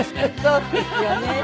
そうですよね。